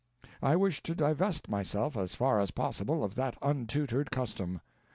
I wish to divest myself, as far as possible, of that untutored custom.